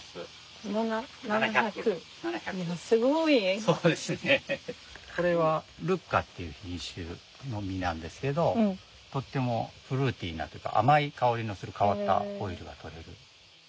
これはルッカっていう品種の実なんですけどとってもフルーティーなっていうか甘い香りのする変わったオイルが採れる。